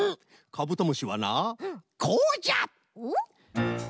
カブトムシはなこうじゃ！